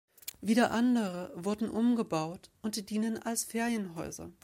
Wieder andere wurden umgebaut und dienen als Ferienhäuser.